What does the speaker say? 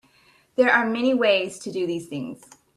There are many ways to do these things.